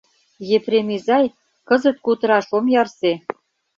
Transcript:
— Епрем изай, кызыт кутыраш ом ярсе.